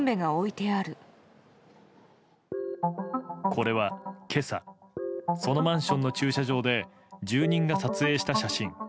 これは今朝そのマンションの駐車場で住人が撮影した写真。